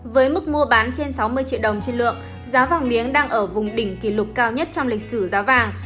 với mức mua bán trên sáu mươi triệu đồng trên lượng giá vàng miếng đang ở vùng đỉnh kỷ lục cao nhất trong lịch sử giá vàng